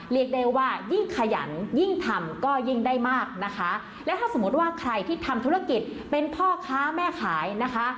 เรียกได้ว่ายิ่งขยันยิ่งทำก็ยิ่งได้มากนะคะและถ้าสมมติว่าใครที่ทำธุรกิจเป็นพ่อค้าแม่ขายนะคะ